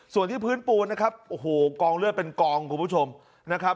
ส่วนที่พื้นปูนนะครับโอ้โหกองเลือดเป็นกองคุณผู้ชมนะครับ